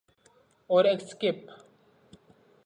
Or escape?